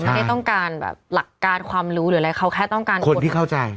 ไม่ได้ต้องการแบบหลักการความรู้หรืออะไรเขาแค่ต้องการคนที่เข้าใจ